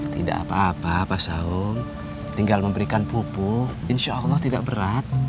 tidak apa apa pak saung tinggal memberikan pupuk insya allah tidak berat